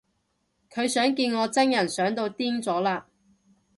佢想見我真人想到癲咗喇